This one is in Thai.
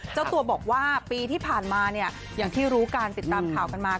เจ้าตัวบอกว่าปีที่ผ่านมาเนี่ยอย่างที่รู้การติดตามข่าวกันมา